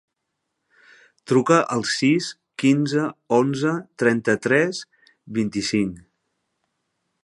Truca al sis, quinze, onze, trenta-tres, vint-i-cinc.